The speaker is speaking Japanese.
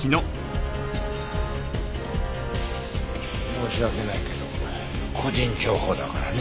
申し訳ないけど個人情報だからね。